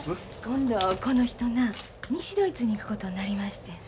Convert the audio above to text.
今度この人な西ドイツに行くことになりましてん。